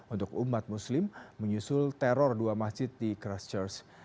untuk umat muslim menyusul teror dua masjid di christchurs